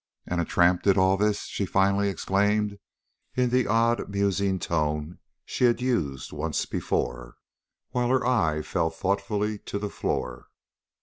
"And a tramp did all this?" she finally exclaimed, in the odd, musing tone she had used once before, while her eye fell thoughtfully to the floor.